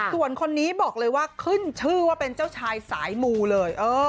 ส่วนคนนี้บอกเลยว่าขึ้นชื่อว่าเป็นเจ้าชายสายมูเลย